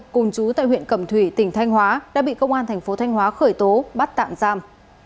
cùng chú tại huyện cẩm thủy tỉnh thanh hóa đã bị công an thành phố thanh hóa khởi tố bắt tạm giam